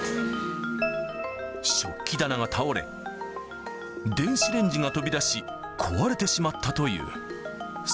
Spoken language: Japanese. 食器棚が倒れ、電子レンジが飛び出し、壊れてしまったという。